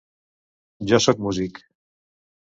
Jo sóc músic!